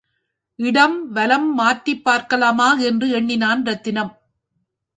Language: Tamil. இடம் வலம் மாற்றிப் பார்க்கலாமா என்று எண்ணினான் ரத்தினம்.